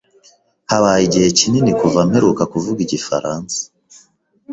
Habaye igihe kinini kuva mperuka kuvuga igifaransa.